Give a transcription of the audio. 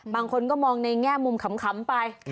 บางคนก็มองในแง่มุมขำไป